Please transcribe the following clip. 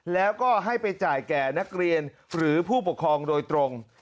แล้วก็ให้ไปจ่ายแก่นักเรียนหรือผู้ปกครองโดยตรง